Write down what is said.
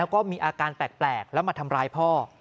แล้วก็มีอาการแปลกแล้วมาทำร้ายพ่อ